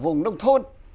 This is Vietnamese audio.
vùng nông thôn